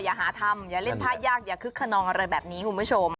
อย่าหาทำอย่าเล่นท่ายากอย่าคึกขนองอะไรแบบนี้คุณผู้ชม